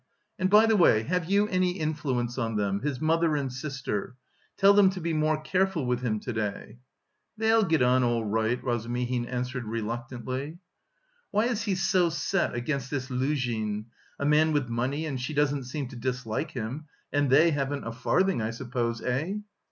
"And, by the way, have you any influence on them, his mother and sister? Tell them to be more careful with him to day...." "They'll get on all right!" Razumihin answered reluctantly. "Why is he so set against this Luzhin? A man with money and she doesn't seem to dislike him... and they haven't a farthing, I suppose? eh?"